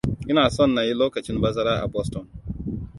Ina son na yi lokacin bazara a Boston.